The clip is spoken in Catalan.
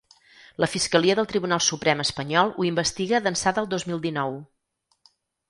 La fiscalia del Tribunal Suprem espanyol ho investiga d’ençà del dos mil dinou.